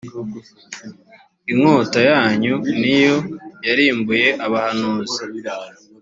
inkota yanyu ni yo yarimbuye abahanuzi.